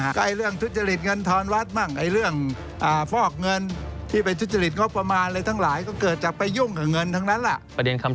ในเรื่องทุฤจฤตเงินธรรมวัฒน์มั่ง